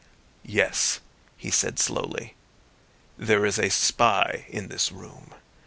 "Yes," he said slowly, "there is a spy in this room.